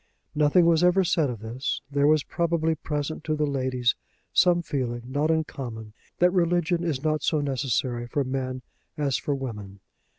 Nothing was ever said of this. There was probably present to the ladies some feeling, not uncommon, that religion is not so necessary for men as for women.